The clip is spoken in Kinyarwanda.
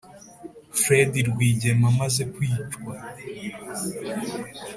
fred rwigema amaze kwicwa